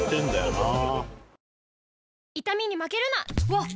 わっ！